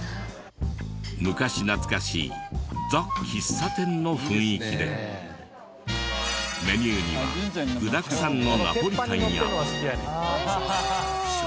昔懐かしいザ・喫茶店の雰囲気でメニューには具だくさんのナポリタンや。